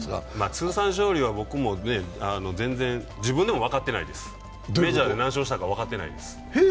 通算勝利は、僕も自分で全然分かってないです、メジャーで何勝したか分かってないです。